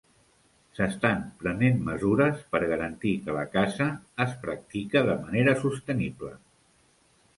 S'estan prenent mesures per garantir que la caça es practica de manera sostenible.